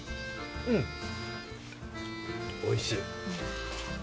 うん、おいしい。